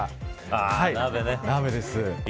鍋です。